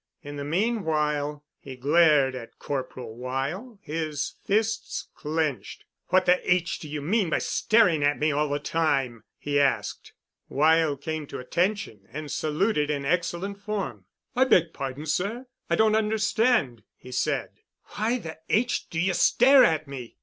In the meanwhile—he glared at Corporal Weyl, his fists clenched. "What the H—— do you mean by staring at me all the time?" he asked. Weyl came to attention and saluted in excellent form. "I beg pardon, sir. I don't understand," he said. "Why the H—— do you stare at me?"